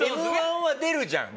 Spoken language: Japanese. Ｍ−１は出るじゃん。